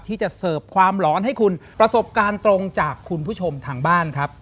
ที่จะเสิร์ฟความหลอนให้คุณประสบการณ์ตรงจากคุณผู้ชมทางบ้านครับ